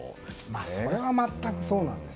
それは全くそうなんです。